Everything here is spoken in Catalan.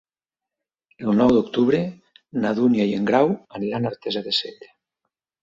El nou d'octubre na Dúnia i en Grau aniran a Artesa de Segre.